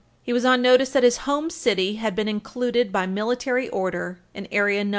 He was on notice that his home city had been included, by Military Order, in Area No.